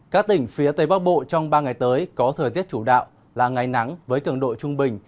các tỉnh phía tây bắc bộ trong ba ngày tới có thời tiết chủ đạo là ngày nắng với cường độ trung bình